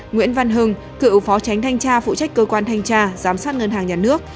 nguyễn văn hưng cựu phó tránh thanh tra phụ trách cơ quan thanh tra giám sát ngân hàng nhà nước